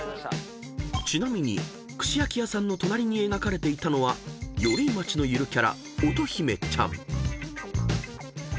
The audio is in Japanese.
［ちなみに串焼き屋さんの隣に描かれていたのは寄居町のゆるキャラ乙姫ちゃん］